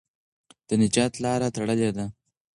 د نجات لاره تړلې ده.